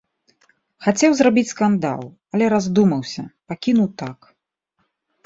Хацеў зрабіць скандал, але раздумаўся, пакінуў так.